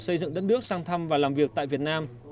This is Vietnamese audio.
xây dựng đất nước sang thăm và làm việc tại việt nam